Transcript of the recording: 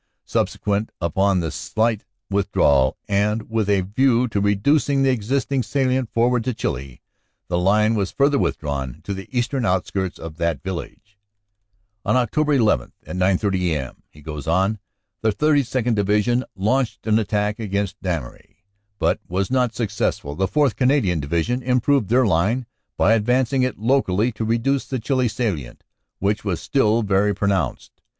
Subsequent upon this slight withdrawal, and with a view to reducing the existing salient forward to Chilly, the line was further withdrawn to the eastern outskirts of that village. "On Aug. 11, at 9.30 a.m.," he goes on, "the 32nd. Division OPERATIONS: AUG. 9 11 59 launched an attack against Damery. but was not successful. The 4th. Canadian Division improved their line by advanc ing it locally to reduce the Chilly salient, which was still very pronounced.